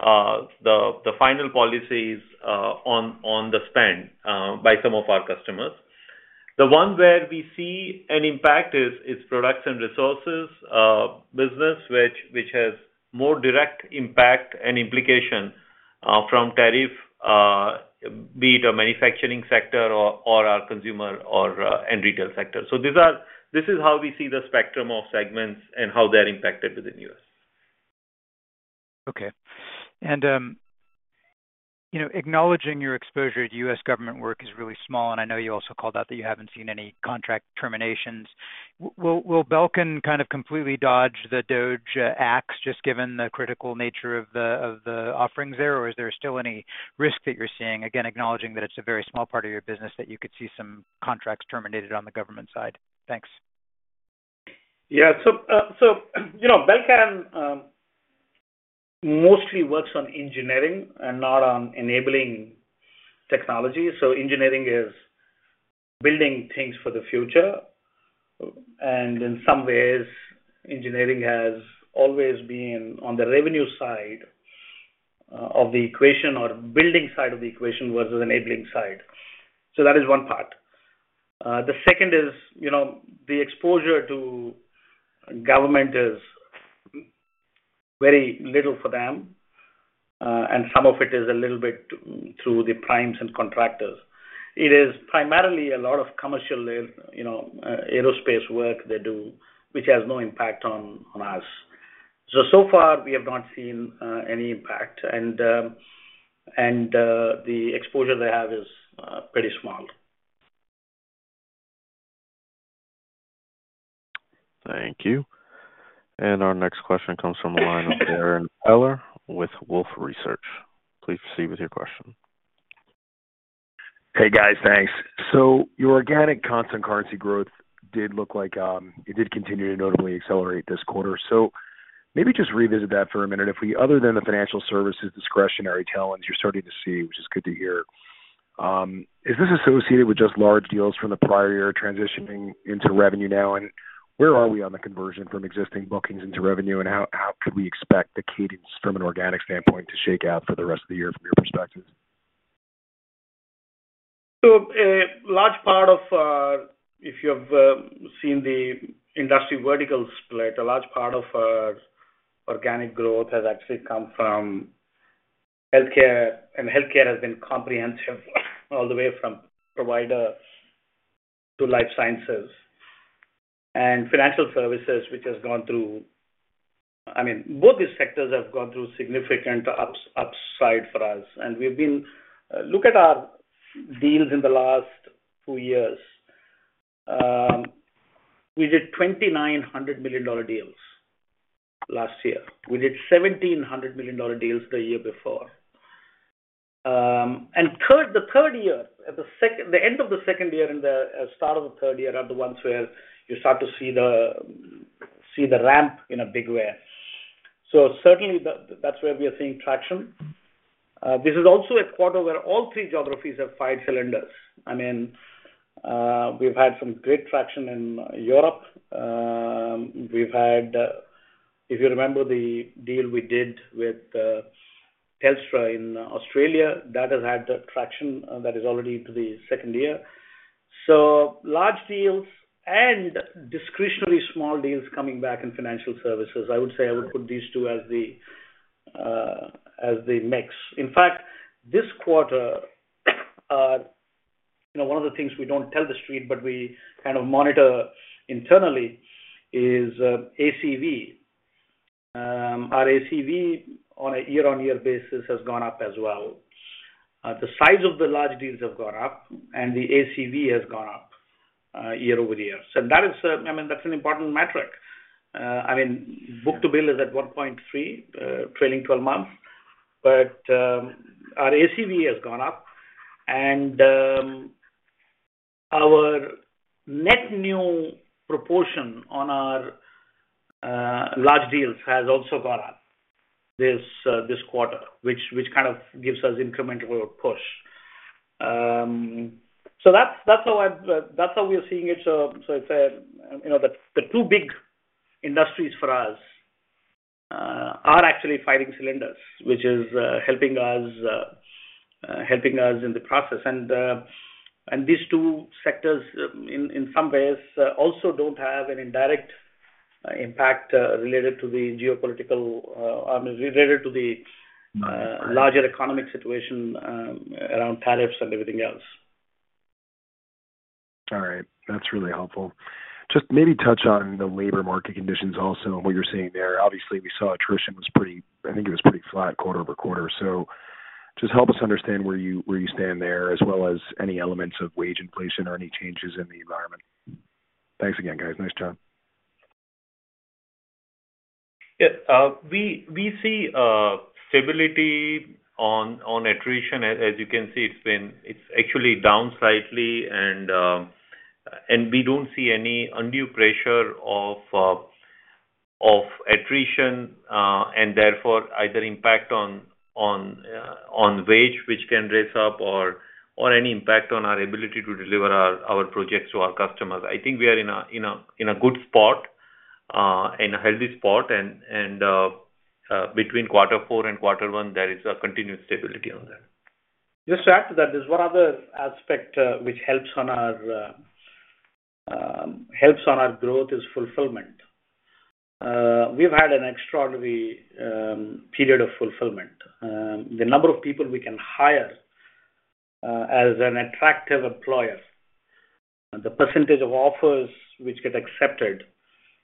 the final policies on the spend by some of our customers. The one where we see an impact is products and resources business, which has more direct impact and implication from tariff, be it a manufacturing sector or our consumer and retail sector. This is how we see the spectrum of segments and how they're impacted within the U.S. Okay. Acknowledging your exposure to U.S. government work is really small, and I know you also called out that you haven't seen any contract terminations. Will Belcan kind of completely dodge the DOGE acts just given the critical nature of the offerings there, or is there still any risk that you're seeing? Again, acknowledging that it's a very small part of your business that you could see some contracts terminated on the government side. Thanks. Yeah. So Belcan mostly works on engineering and not on enabling technology. Engineering is building things for the future. In some ways, engineering has always been on the revenue side of the equation or building side of the equation versus enabling side. That is one part. The second is the exposure to government is very little for them, and some of it is a little bit through the primes and contractors. It is primarily a lot of commercial aerospace work they do, which has no impact on us. So far, we have not seen any impact, and the exposure they have is pretty small. Thank you. Our next question comes from the line of Darrin Peller with Wolfe Research. Please proceed with your question. Hey, guys. Thanks. Your organic constant currency growth did look like it did continue to notably accelerate this quarter. Maybe just revisit that for a minute. Other than the financial services discretionary talent you're starting to see, which is good to hear, is this associated with just large deals from the prior year transitioning into revenue now? Where are we on the conversion from existing bookings into revenue, and how could we expect the cadence from an organic standpoint to shake out for the rest of the year from your perspective? A large part of our—if you have seen the industry vertical split—a large part of our organic growth has actually come from healthcare, and healthcare has been comprehensive all the way from provider to life sciences. Financial services, which has gone through—I mean, both these sectors have gone through significant upside for us. We have been—look at our deals in the last two years. We did $2,900 million deals last year. We did $1,700 million deals the year before. The third year, at the end of the second year and the start of the third year, are the ones where you start to see the ramp in a big way. Certainly, that is where we are seeing traction. This is also a quarter where all three geographies have fired cylinders. I mean, we have had some great traction in Europe. If you remember the deal we did with Telstra in Australia, that has had traction that is already into the second year. Large deals and discretionary small deals are coming back in financial services. I would say I would put these two as the mix. In fact, this quarter, one of the things we don't tell the street, but we kind of monitor internally is ACV. Our ACV on a year-on-year basis has gone up as well. The size of the large deals have gone up, and the ACV has gone up year over year. I mean, that's an important metric. I mean, book-to-bill is at 1.3, trailing 12 months, but our ACV has gone up, and our net new proportion on our large deals has also gone up this quarter, which kind of gives us incremental push. That's how we are seeing it. The two big industries for us are actually firing cylinders, which is helping us in the process. These two sectors in some ways also do not have an indirect impact related to the geopolitical—I mean, related to the larger economic situation around tariffs and everything else. All right. That is really helpful. Just maybe touch on the labor market conditions also and what you are seeing there. Obviously, we saw attrition was pretty—I think it was pretty flat quarter over quarter. Just help us understand where you stand there as well as any elements of wage inflation or any changes in the environment. Thanks again, guys. Nice job. Yeah. We see stability on attrition. As you can see, it is actually down slightly, and we do not see any undue pressure of attrition and therefore either impact on wage, which can raise up, or any impact on our ability to deliver our projects to our customers. I think we are in a good spot, in a healthy spot, and between quarter four and quarter one, there is a continued stability on that. Just to add to that, there is one other aspect which helps on our growth is fulfillment. We have had an extraordinary period of fulfillment. The number of people we can hire as an attractive employer, the percentage of offers which get accepted,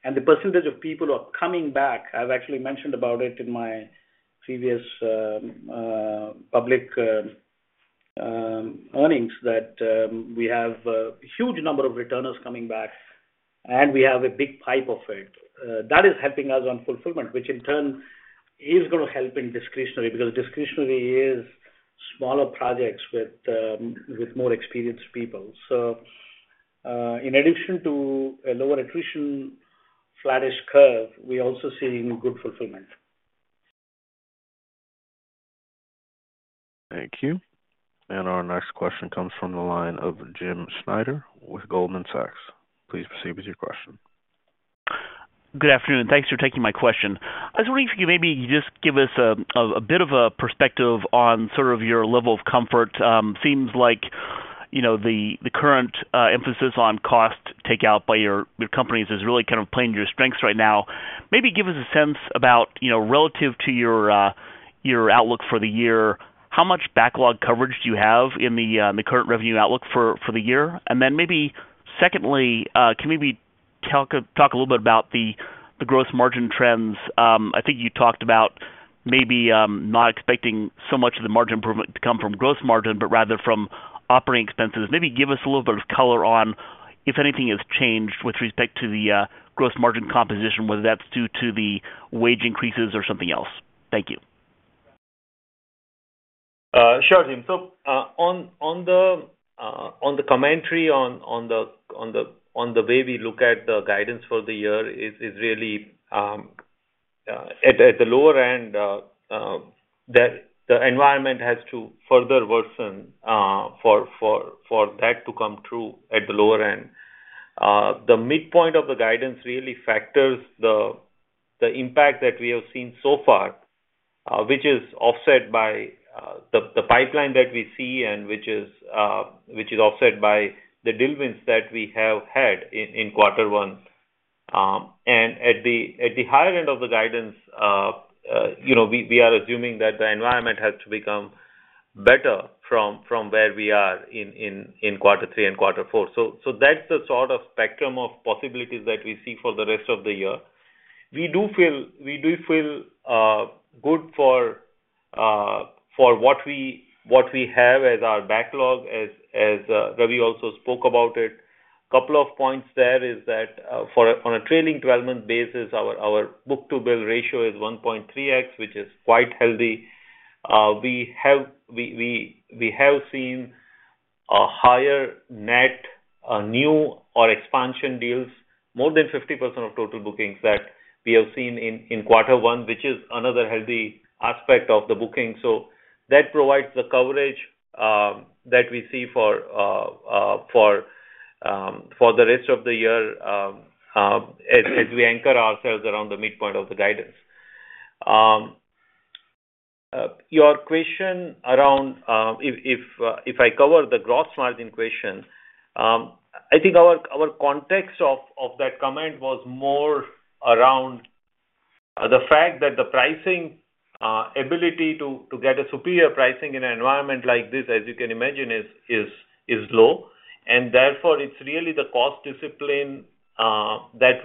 and the percentage of people who are coming back. I have actually mentioned about it in my previous public earnings that we have a huge number of returners coming back, and we have a big pipe of it. That is helping us on fulfillment, which in turn is going to help in discretionary because discretionary is smaller projects with more experienced people. In addition to a lower attrition, flattish curve, we are also seeing good fulfillment. Thank you. Our next question comes from the line of Jim Schneider with Goldman Sachs. Please proceed with your question. Good afternoon. Thanks for taking my question. I was wondering if you could maybe just give us a bit of a perspective on sort of your level of comfort. Seems like the current emphasis on cost takeout by your companies is really kind of playing to your strengths right now. Maybe give us a sense about relative to your outlook for the year, how much backlog coverage do you have in the current revenue outlook for the year? Secondly, can we talk a little bit about the gross margin trends? I think you talked about maybe not expecting so much of the margin improvement to come from gross margin, but rather from operating expenses. Maybe give us a little bit of color on if anything has changed with respect to the gross margin composition, whether that's due to the wage increases or something else. Thank you. Sure, Jim. On the commentary on the way we look at the guidance for the year, it is really at the lower end, the environment has to further worsen for that to come true at the lower end. The midpoint of the guidance really factors the impact that we have seen so far, which is offset by the pipeline that we see and which is offset by the diligence that we have had in quarter one. At the higher end of the guidance, we are assuming that the environment has to become better from where we are in quarter three and quarter four. That's the sort of spectrum of possibilities that we see for the rest of the year. We do feel good for what we have as our backlog, as Ravi also spoke about it. A couple of points there is that on a trailing 12-month basis, our book-to-bill ratio is 1.3x, which is quite healthy. We have seen a higher net new or expansion deals, more than 50% of total bookings that we have seen in quarter one, which is another healthy aspect of the booking. That provides the coverage that we see for the rest of the year as we anchor ourselves around the midpoint of the guidance. Your question around if I cover the gross margin question, I think our context of that comment was more around the fact that the pricing ability to get a superior pricing in an environment like this, as you can imagine, is low. Therefore, it's really the cost discipline that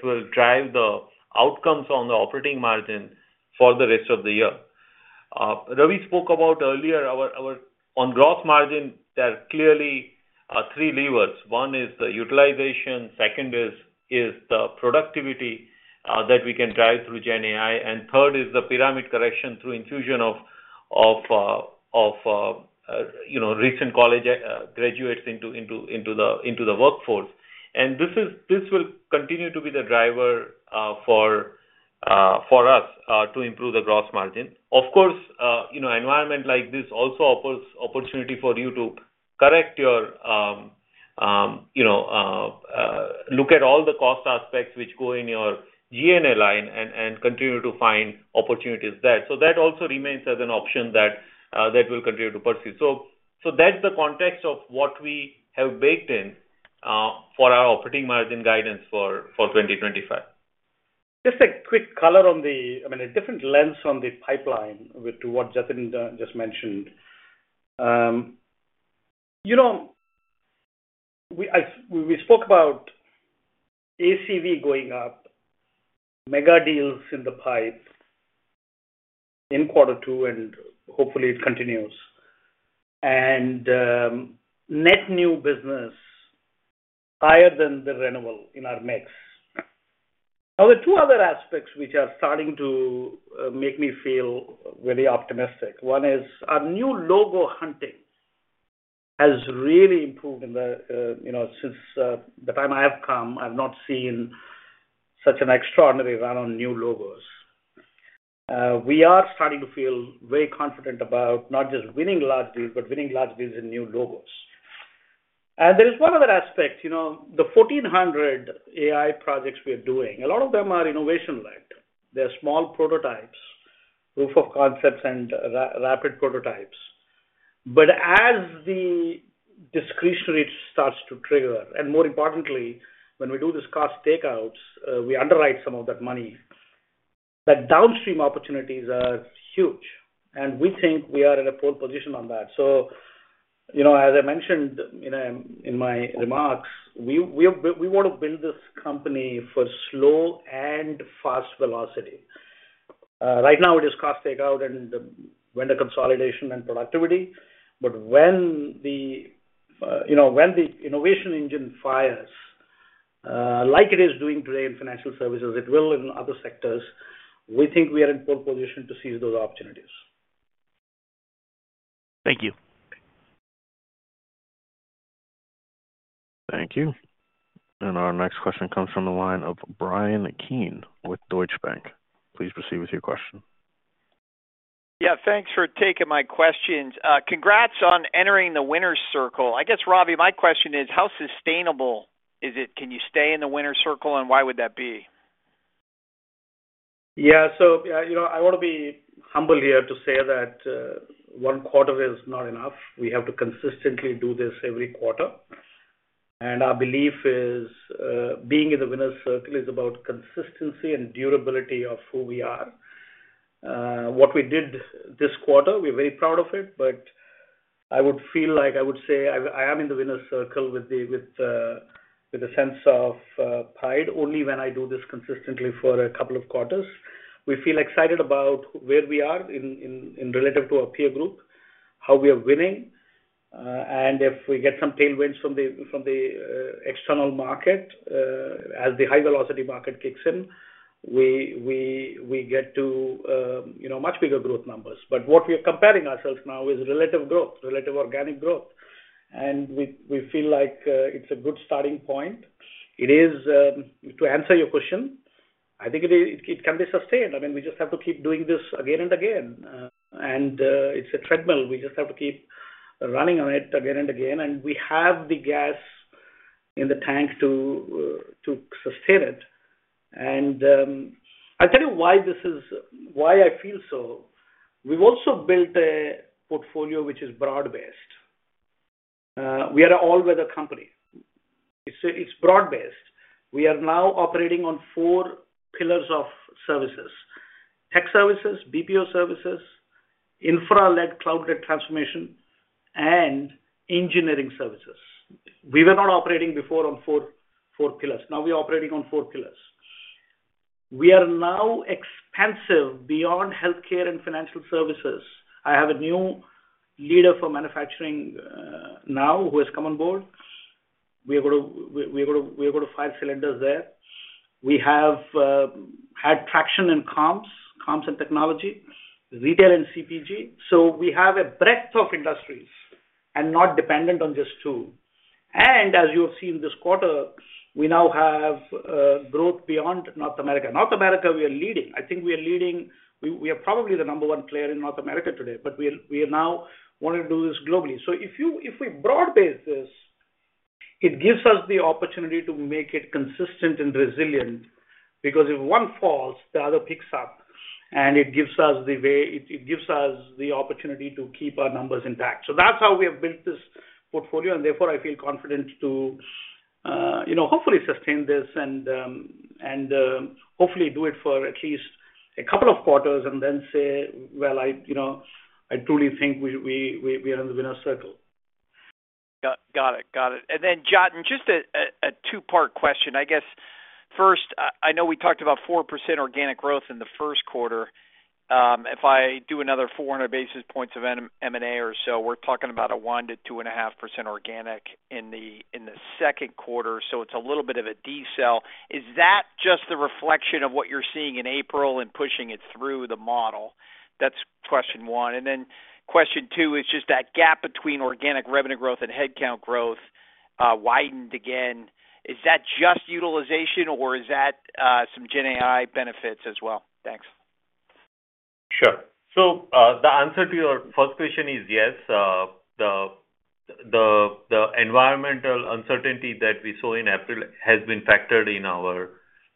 will drive the outcomes on the operating margin for the rest of the year. Ravi spoke about earlier on gross margin, there are clearly three levers. One is the utilization. Second is the productivity that we can drive through GenAI. Third is the pyramid correction through infusion of recent college graduates into the workforce. This will continue to be the driver for us to improve the gross margin. Of course, an environment like this also offers opportunity for you to correct your look at all the cost aspects which go in your GNL line and continue to find opportunities there. That also remains as an option that we'll continue to pursue. That is the context of what we have baked in for our operating margin guidance for 2025. Just a quick color on the—I mean, a different lens on the pipeline to what Jatin just mentioned. We spoke about ACV going up, mega deals in the pipe in quarter two, and hopefully, it continues. Net new business higher than the renewal in our mix. Now, there are two other aspects which are starting to make me feel very optimistic. One is our new logo hunting has really improved since the time I have come. I've not seen such an extraordinary run on new logos. We are starting to feel very confident about not just winning large deals, but winning large deals in new logos. There is one other aspect. The 1,400 AI projects we are doing, a lot of them are innovation-led. They're small prototypes, proof of concepts, and rapid prototypes. As the discretionary starts to trigger, and more importantly, when we do these cost takeouts, we underwrite some of that money, that downstream opportunities are huge. We think we are at a pole position on that. As I mentioned in my remarks, we want to build this company for slow and fast velocity. Right now, it is cost takeout and vendor consolidation and productivity. When the innovation engine fires, like it is doing today in financial services, it will in other sectors. We think we are in pole position to seize those opportunities. Thank you. Thank you. Our next question comes from the line of Bryan Keane with Deutsche Bank. Please proceed with your question. Yeah. Thanks for taking my questions. Congrats on entering the winner's circle. I guess, Ravi, my question is, how sustainable is it? Can you stay in the winner's circle, and why would that be? Yeah. I want to be humble here to say that one quarter is not enough. We have to consistently do this every quarter. Our belief is being in the winner's circle is about consistency and durability of who we are. What we did this quarter, we're very proud of it, but I would feel like I would say I am in the winner's circle with a sense of pride only when I do this consistently for a couple of quarters. We feel excited about where we are in relative to our peer group, how we are winning. If we get some tailwinds from the external market, as the high-velocity market kicks in, we get to much bigger growth numbers. What we are comparing ourselves now is relative growth, relative organic growth. We feel like it's a good starting point. It is, to answer your question, I think it can be sustained. I mean, we just have to keep doing this again and again. It's a treadmill. We just have to keep running on it again and again. We have the gas in the tank to sustain it. I'll tell you why I feel so. We've also built a portfolio which is broad-based. We are an all-weather company. It's broad-based. We are now operating on four pillars of services: tech services, BPO services, infra-led, cloud-led transformation, and engineering services. We were not operating before on four pillars. Now we are operating on four pillars. We are now expansive beyond healthcare and financial services. I have a new leader for manufacturing now who has come on board. We are going to fire cylinders there. We have had traction in comms and technology, retail and CPG. We have a breadth of industries and not dependent on just two. As you have seen this quarter, we now have growth beyond North America. North America, we are leading. I think we are leading. We are probably the number one player in North America today, but we are now wanting to do this globally. If we broad-base, it gives us the opportunity to make it consistent and resilient because if one falls, the other picks up. It gives us the opportunity to keep our numbers intact. That is how we have built this portfolio. Therefore, I feel confident to hopefully sustain this and hopefully do it for at least a couple of quarters and then say, "I truly think we are in the winner's circle." Got it. Got it. Then, Jatin, just a two-part question. I guess, first, I know we talked about 4% organic growth in the first quarter. If I do another 400 basis points of M&A or so, we are talking about a 1%-2.5% organic in the second quarter. It is a little bit of a D cell. Is that just the reflection of what you're seeing in April and pushing it through the model? That's question one. The question two is just that gap between organic revenue growth and headcount growth widened again. Is that just utilization, or is that some GenAI benefits as well? Thanks. Sure. The answer to your first question is yes. The environmental uncertainty that we saw in April has been factored in our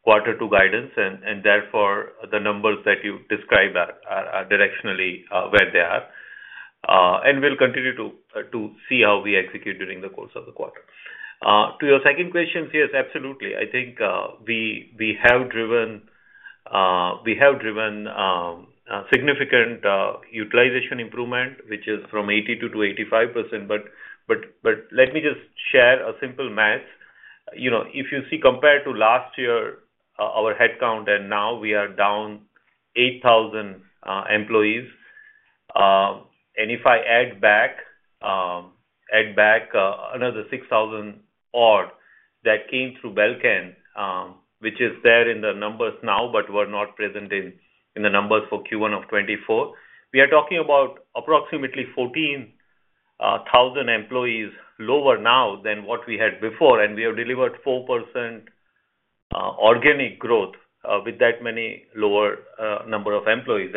quarter two guidance. Therefore, the numbers that you described are directionally where they are. We will continue to see how we execute during the course of the quarter. To your second question, yes, absolutely. I think we have driven significant utilization improvement, which is from 82% to 85%. Let me just share a simple math. If you see, compared to last year, our headcount, and now we are down 8,000 employees. If I add back another 6,000 odd that came through Belcan, which is there in the numbers now but were not present in the numbers for Q1 of 2024, we are talking about approximately 14,000 employees lower now than what we had before. We have delivered 4% organic growth with that many lower number of employees.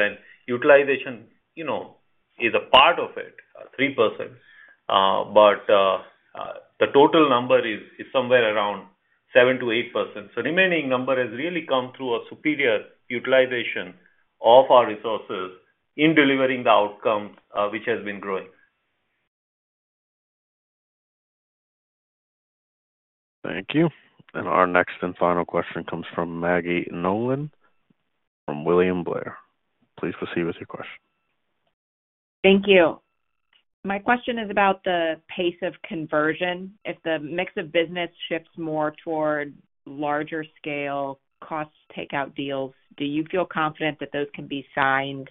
Utilization is a part of it, 3%. The total number is somewhere around 7%-8%. The remaining number has really come through a superior utilization of our resources in delivering the outcome, which has been growing. Thank you. Our next and final question comes from Maggie Nolan from William Blair. Please proceed with your question. Thank you. My question is about the pace of conversion. If the mix of business shifts more toward larger-scale cost takeout deals, do you feel confident that those can be signed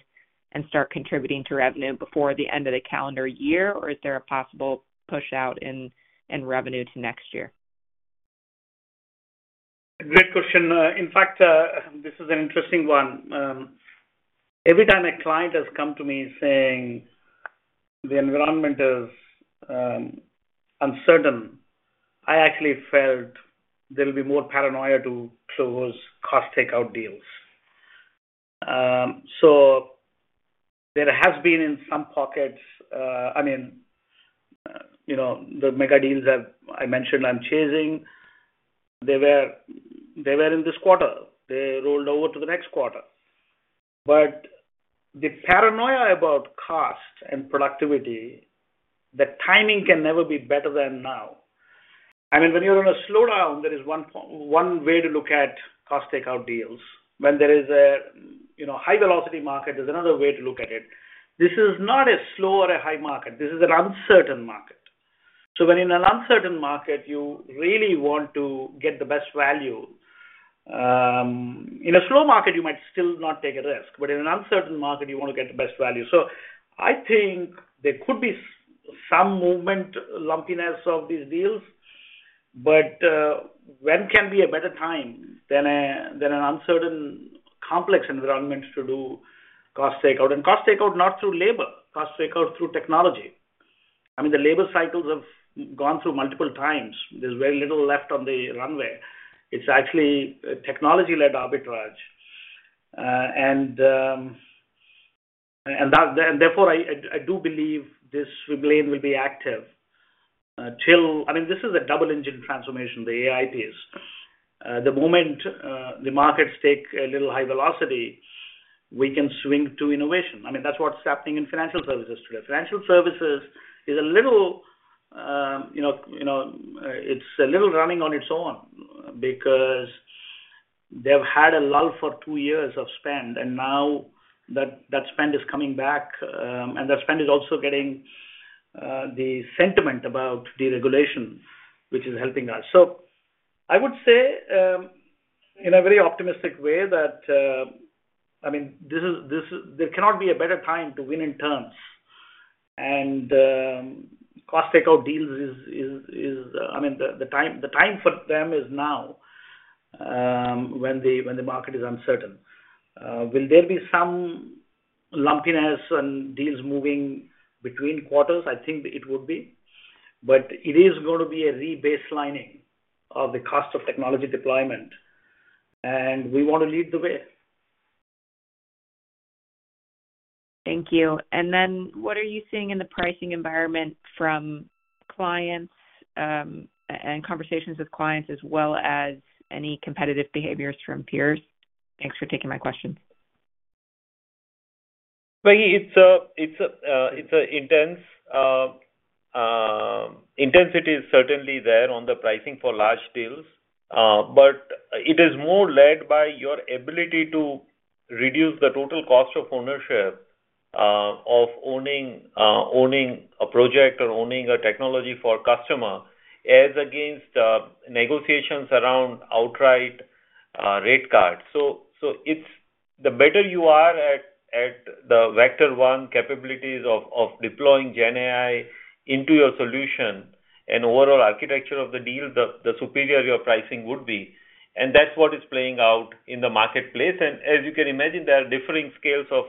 and start contributing to revenue before the end of the calendar year, or is there a possible push out in revenue to next year? Great question. In fact, this is an interesting one. Every time a client has come to me saying the environment is uncertain, I actually felt there will be more paranoia to close cost takeout deals. There has been in some pockets, I mean, the mega deals I mentioned I'm chasing, they were in this quarter. They rolled over to the next quarter. The paranoia about cost and productivity, the timing can never be better than now. I mean, when you're on a slowdown, there is one way to look at cost takeout deals. When there is a high-velocity market, there's another way to look at it. This is not a slow or a high market. This is an uncertain market. When in an uncertain market, you really want to get the best value. In a slow market, you might still not take a risk. In an uncertain market, you want to get the best value. I think there could be some movement, lumpiness of these deals. When can be a better time than an uncertain, complex environment to do cost takeout? Cost takeout not through labor, cost takeout through technology. I mean, the labor cycles have gone through multiple times. There's very little left on the runway. It's actually technology-led arbitrage. Therefore, I do believe this swing lane will be active till I mean, this is a double-engine transformation, the AI piece. The moment the markets take a little high velocity, we can swing to innovation. I mean, that's what's happening in financial services today. Financial services is a little, it's a little running on its own because they've had a lull for two years of spend. Now that spend is coming back. That spend is also getting the sentiment about deregulation, which is helping us. I would say in a very optimistic way that, I mean, there cannot be a better time to win in terms. Cost takeout deals is, I mean, the time for them is now when the market is uncertain. Will there be some lumpiness and deals moving between quarters? I think it would be. It is going to be a rebaselining of the cost of technology deployment. We want to lead the way. Thank you. What are you seeing in the pricing environment from clients and conversations with clients as well as any competitive behaviors from peers? Thanks for taking my question. It is intense. Intensity is certainly there on the pricing for large deals. It is more led by your ability to reduce the total cost of ownership of owning a project or owning a technology for a customer as against negotiations around outright rate cards. The better you are at the vector 1 capabilities of deploying GenAI into your solution and overall architecture of the deal, the superior your pricing would be. That is what is playing out in the marketplace. As you can imagine, there are differing scales of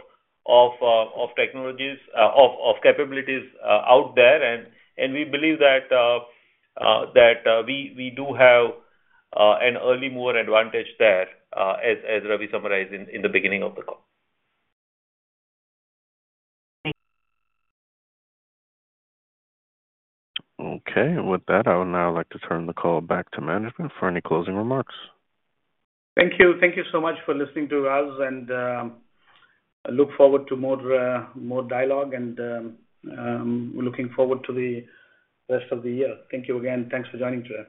technologies, of capabilities out there. We believe that we do have an early mover advantage there, as Ravi summarized in the beginning of the call. Okay. With that, I would now like to turn the call back to management for any closing remarks. Thank you. Thank you so much for listening to us. I look forward to more dialogue and looking forward to the rest of the year. Thank you again. Thanks for joining today.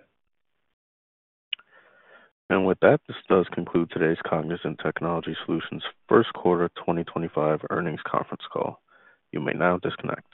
With that, this does conclude today's Cognizant Technology Solutions First Quarter 2025 Earnings Conference Call. You may now disconnect.